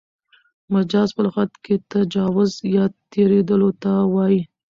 مجاز په لغت کښي تجاوز یا تېرېدلو ته وايي.